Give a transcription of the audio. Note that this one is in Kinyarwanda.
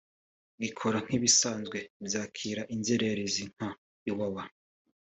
gikora nk’ibisanzwe byakira inzererezi nka Iwawa